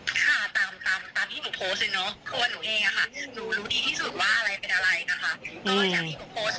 เรารู้ดีที่สุดว่าอะไรเป็นอะไรนะคะ